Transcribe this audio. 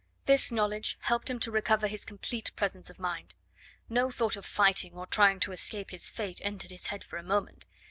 This knowledge helped him to recover his complete presence of mind. No thought of fighting or trying to escape his fate entered his head for a moment.